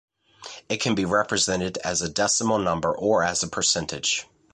It can be represented as a decimal number or as a percentage.